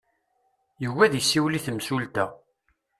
Yugi ad isiwel i temsulta.